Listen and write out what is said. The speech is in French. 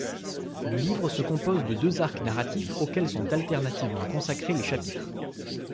Le livre se compose de deux arcs narratifs auxquels sont alternativement consacrés les chapitres.